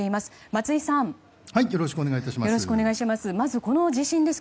松井さんよろしくお願いします。